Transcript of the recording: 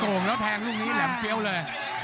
่งแล้วแทงลูกนี้แหลมเฟี้ยวเลย